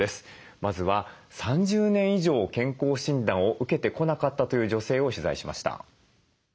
まずは３０年以上健康診断を受けてこなかったという女性を取材しました。